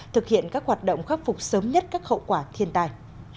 thực hiện các hoạt động khắc phục sớm nhất các hậu quả thiên tai